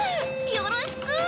よろしく！